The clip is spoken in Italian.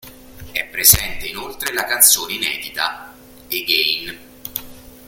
È presente inoltre la canzone inedita "Again".